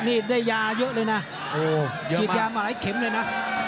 นี่ได้ยาเยอะเลยนะฉีดยามาหลายเข็มเลยนะ